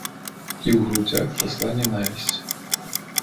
І ў грудзях расла нянавісць.